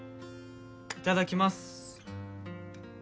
いただきます。